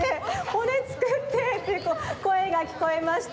「骨つくって」ってこえがきこえました。